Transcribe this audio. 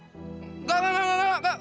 enggak enggak enggak enggak